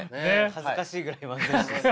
恥ずかしいぐらい漫才師です。